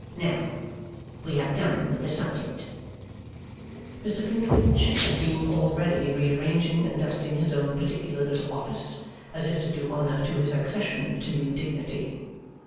Now, we have done with the subject.' Mr Flintwinch had been already rearranging and dusting his own particular little office, as if to do honour to his accession to new dignity.